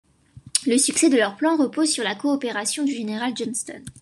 Le succès de leurs plans repose sur la coopération du général Johnston.